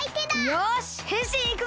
よしへんしんいくぞ！